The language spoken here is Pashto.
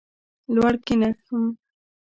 لوړ کښېنم.